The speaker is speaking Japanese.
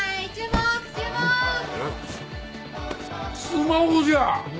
スマホじゃ！